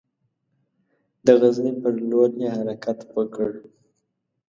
د غزني پر لور یې حرکت وکړ.